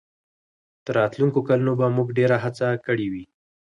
تر راتلونکو کلونو به موږ ډېره هڅه کړې وي.